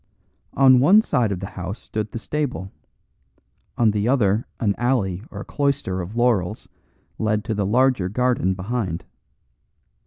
On one side of the house stood the stable, on the other an alley or cloister of laurels led to the larger garden behind.